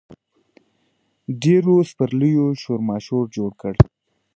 ډېرو سپرلیو شورماشور جوړ کړ.